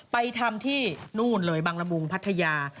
ไปทำที่นู่นเลยบังละมุงพัทยา